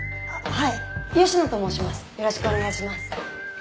はい？